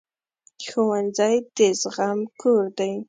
ښوونځی د زغم کور دی